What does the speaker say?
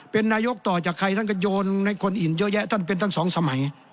เป็นนายกต่อจากใครท่านก็โยนให้คนอื่นเยอะแยะท่านเป็นทั้งสองสมัย